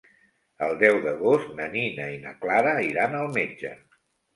El deu d'agost na Nina i na Clara iran al metge.